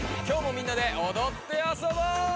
今日もみんなでおどってあそぼう！